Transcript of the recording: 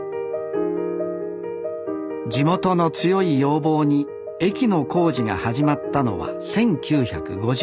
地元の強い要望に駅の工事が始まったのは１９５９年。